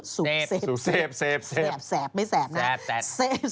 สูกเสพแสบแสบไม่แสบนะแสบ